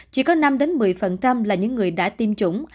chỉ có năm một mươi là những người đã tiêm chủng